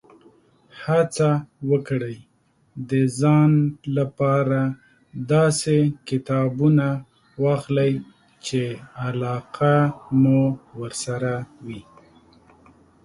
هڅه وکړئ، د ځان لپاره داسې کتابونه واخلئ، چې علاقه مو ورسره وي.